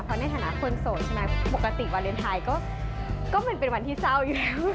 เพราะในฐานะคนโสดใช่ไหมปกติวาเลนไทยก็มันเป็นวันที่เศร้าอยู่แล้ว